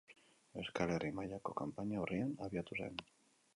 Euskal Herri mailako kanpaina urrian abiatu zen.